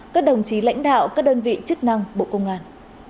các đồng chí lãnh đạo các đơn vị chức năng bộ công an